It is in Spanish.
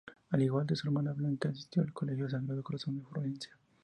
Al igual que su hermana Blanca, asistió al colegio Sagrado Corazón de Florencia.